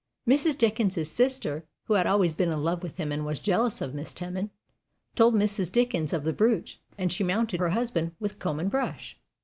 Mrs. Dickens's sister, who had always been in love with him and was jealous of Miss Teman, told Mrs. Dickens of the brooch, and she mounted her husband with comb and brush.